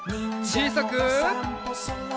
ちいさく。